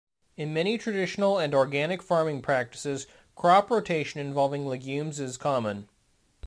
In many traditional and organic farming practices, crop rotation involving legumes is common.